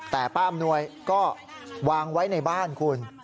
แต่ป้าอำนวยก็วางไว้ในบ้านคุณ